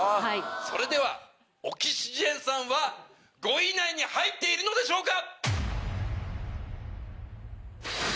それではオキシジェンさんは５位以内に入ってるでしょうか